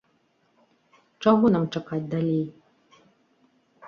Чаго нам чакаць далей?